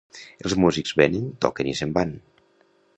Els músics venen, toquen i se'n van.